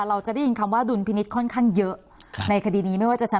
เราจะได้ยินคำว่าดุลพินิษฐ์ค่อนข้างเยอะในคดีนี้ไม่ว่าจะชั้น